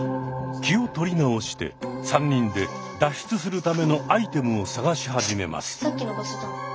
気を取り直して３人で脱出するためのアイテムを探し始めます。